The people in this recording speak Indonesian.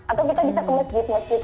atau kita bisa ke masjid masjid